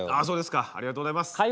そうですかありがとうございます。